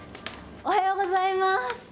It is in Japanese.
おはようございます。